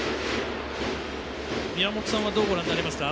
宮本さんはどうご覧になりますか。